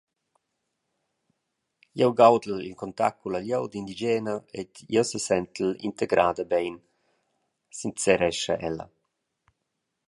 «Jeu gaudel il contact culla glieud indigena ed jeu sesentel integrada bein», sincerescha ella.